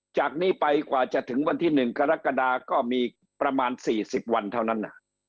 จากนี้ไปกว่าจะถึงวันที่๑กรกฎาก็มีประมาณ๔๐วันเท่านั้น